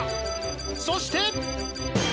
そして！